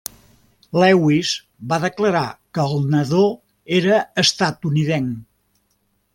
Lewis va declarar que el nadó era estatunidenc.